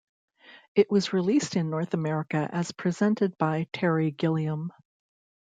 It was released in North America as presented by Terry Gilliam.